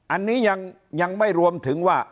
อันนี้ยังไม่รวมถึงว่า